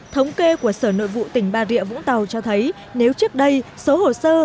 thống kê của sở nội vụ tỉnh bà rịa vũng tàu cho thấy nếu trước đây số hồ sơ